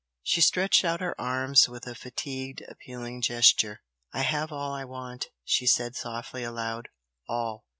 She stretched out her arms with a fatigued, appealing gesture. "I have all I want!" she said softly aloud, "All!